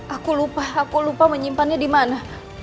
aku lupa aku lupa menyimpannya di mana